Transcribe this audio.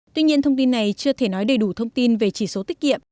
tuy nhiên thông tin này chưa thể nói đầy đủ thông tin về chỉ số tiết kiệm